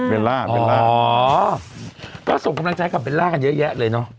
เบลล่าอ๋อก็ส่งกำลังใจกับเบลล่ากันเยอะแยะเลยเนอะ